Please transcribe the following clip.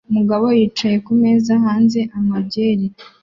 Umugabo yicaye kumeza hanze anywa byeri